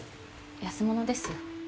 安物ですよ。